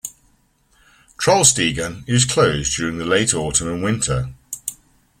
"Trollstigen" is closed during late autumn and winter.